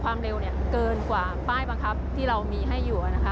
ความเร็วเกินกว่าป้ายบังคับที่เรามีให้อยู่